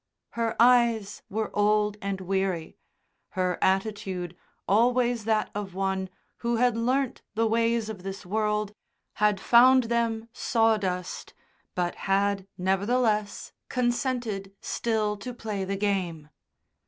Her eyes were old and weary, her attitude always that of one who had learnt the ways of this world, had found them sawdust, but had nevertheless consented still to play the game.